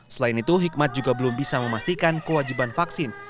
selain itu hikmat juga belum bisa memastikan kewajiban vaksin